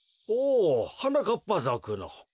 おおはなかっぱぞくの。